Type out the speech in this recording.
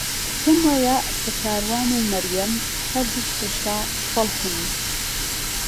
پێم وایە کە کاروان و مەریەم هەردووک هێشتا سەڵتن.